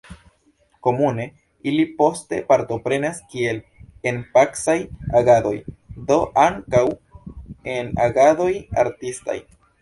Komune ili poste partoprenas kiel en pacaj agadoj, do ankaŭ en agadoj artistaj.